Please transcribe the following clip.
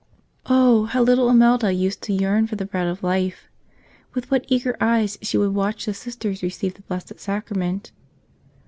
Oh, how little Imelda used to yearn for the Bread of Life ! With what eager eyes she would watch the Sisters receive the Blessed Sacrament!